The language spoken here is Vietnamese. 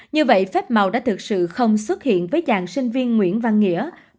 như vậy phép màu đã thực sự không xuất hiện với chàng sinh viên nguyễn văn nghĩa